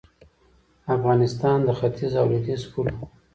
افغانستان د ختیځ او لویدیځ پل و